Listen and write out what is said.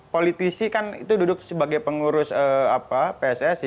politisi kan itu duduk sebagai pengurus pssi